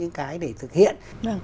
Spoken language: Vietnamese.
những cái vấn đề để thực hiện